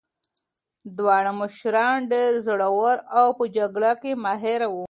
دواړه مشران ډېر زړور او په جګړه کې ماهر وو.